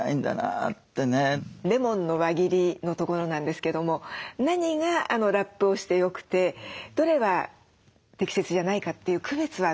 レモンの輪切りのところなんですけども何がラップをしてよくてどれは適切じゃないかっていう区別はどうしたらいいでしょう？